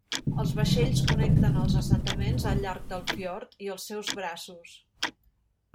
Els vaixells connecten els assentaments al llarg del fiord i els seus braços.